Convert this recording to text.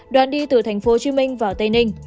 đoạn đi từ tp hcm vào tây ninh